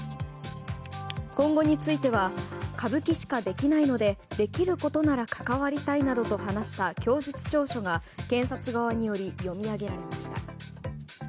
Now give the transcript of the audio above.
今後については歌舞伎しかできないのでできることなら関わりたいなどと話した供述調書が検察側により読み上げられました。